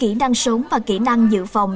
kỹ năng sống và kỹ năng dự phòng